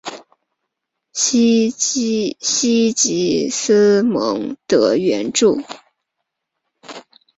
西吉斯蒙德圆柱模仿了罗马圣母大殿前的意大利圆柱。